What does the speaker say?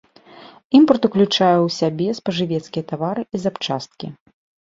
Імпарт ўключае ў сябе спажывецкія тавары і запчасткі.